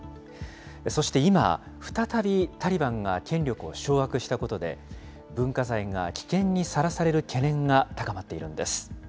そして今、再びタリバンが権力を掌握したことで、文化財が危険にさらされる懸念が高まっているんです。